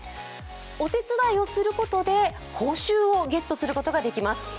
お手伝いをすることで、報酬をゲットすることができます。